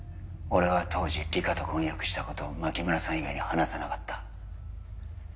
俺は当時里香と婚約したことを牧村さん以外に話さなかった。